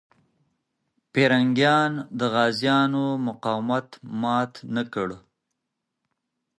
پرنګیان د غازيانو مقاومت مات نه کړ.